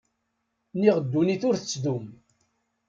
Niɣ ddunit ur tettdum.